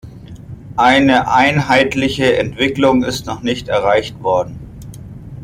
Eine einheitliche Entwicklung ist noch nicht erreicht worden.